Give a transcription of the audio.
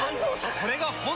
これが本当の。